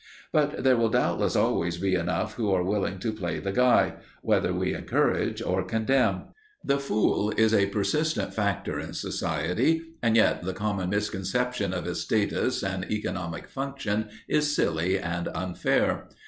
But there will doubtless always be enough who are willing to play the guy, whether we encourage or condemn. The fool is a persistent factor in society, and yet the common misconception of his status and economic function is silly and unfair.